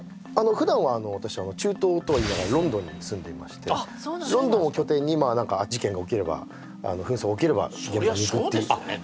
普段は私中東とはいいながらロンドンに住んでいましてロンドンを拠点に事件が起きれば紛争が起きれば現場に行くっていうそりゃそうですよね